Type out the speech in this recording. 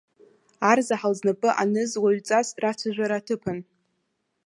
Арзаҳал знапы аныз уаҩҵас рацәажәара аҭыԥан.